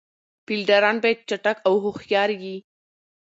فیلډران باید چټک او هوښیار يي.